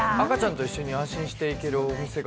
赤ちゃんと一緒に安心して行けるお店が